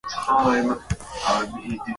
Wangejua wewe ni nani